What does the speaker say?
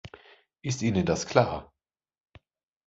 Ist Ihnen das klar?